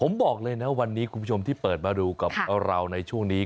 ผมบอกเลยนะวันนี้คุณผู้ชมที่เปิดมาดูกับเราในช่วงนี้